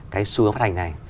cái xu hướng phát hành này